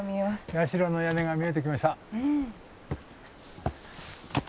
社の屋根が見えてきました。